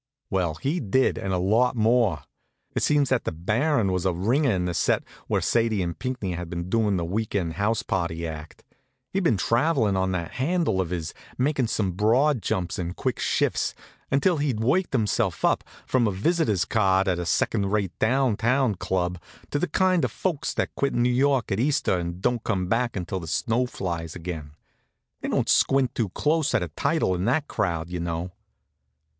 Well, he did and a lot more. It seems that the Baron was a ringer in the set where Sadie and Pinckney had been doing the weekend house party act. He'd been travelin' on that handle of his, makin' some broad jumps and quick shifts, until he'd worked himself up, from a visitor's card at a second rate down town club, to the kind of folks that quit New York at Easter and don't come back until the snow flies again. They don't squint too close at a title in that crowd, you know.